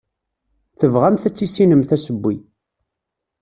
Tebɣamt ad tissinemt asewwi.